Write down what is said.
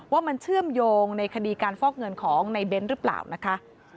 ว่ามันเชื่อมโยงในคดีการฟอกเงินของในเบ้นหรือเปล่านะคะ